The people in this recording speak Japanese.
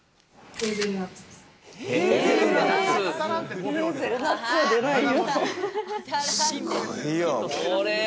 ヘーゼルナッツは出ないよ。